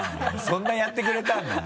そんなにやってくれたんだ。